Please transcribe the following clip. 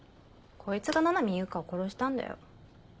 こいつが七海悠香を殺したんだよ。